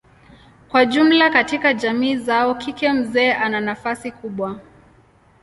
Kwa jumla katika jamii zao kike mzee ana nafasi kubwa.